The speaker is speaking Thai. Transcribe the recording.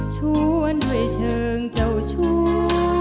ชวนด้วยเชิงเจ้าชู้